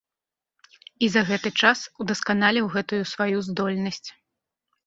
І за гэты час удасканаліў гэтую сваю здольнасць.